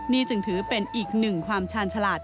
นี่จึงถือเป็นอีกหนึ่งความชาญฉลาด